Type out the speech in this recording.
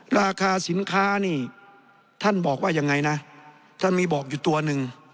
ราคาสินค้านี่ท่านบอกว่ายังไงนะท่านมีบอกอยู่ตัวหนึ่ง